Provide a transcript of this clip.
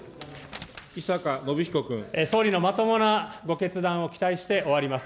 総理のまともなご決断を期待して終わります。